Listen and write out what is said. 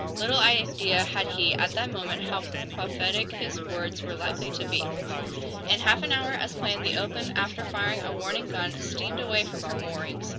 Little idea had he, at that moment, how prophetic his words were likely to be! In half an hour, as planned, the "Oakland," after firing a warning gun, steamed away from her moorings.